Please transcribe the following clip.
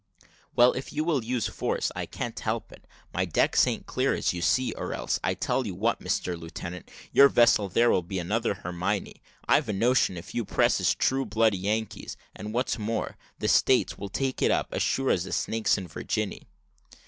"Well, if you will use force, I can't help it: my decks a'n't clear, as you see, or else I tell you what, Mr Lieutenant, your vessel there will be another Hermione, I've a notion, if you presses true blooded Yankees; and what's more, the States will take it up, as sure as there's snakes in Virginny."